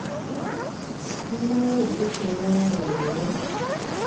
Tuyinayo olukiiko olulala leero?